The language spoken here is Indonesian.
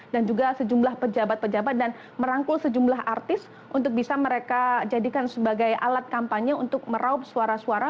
juga sejumlah pejabat pejabat dan merangkul sejumlah artis untuk bisa mereka jadikan sebagai alat kampanye untuk meraup suara suara